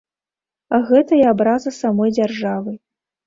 Гэта і абраза самой дзяржавы.